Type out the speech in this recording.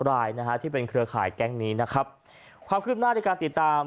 รายนะฮะที่เป็นเครือข่ายแก๊งนี้นะครับความคืบหน้าในการติดตาม